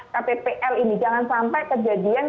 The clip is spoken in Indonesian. kppl ini jangan sampai kejadian